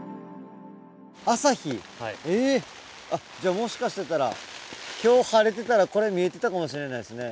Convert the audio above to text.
えじゃあもしかしてたら今日晴れてたらこれ見えてたかもしれないですね。